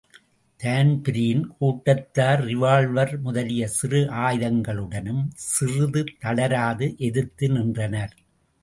Dan Breen கூட்டத்தார் revolver முதலிய சிறு ஆயுதங்களுடன் சிறிதும் தளராது எதிர்த்து நின்றனர்.